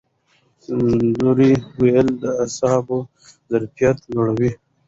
سندرې ویل د اعصابو ظرفیت لوړوي.